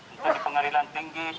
untuk pengadilan tinggi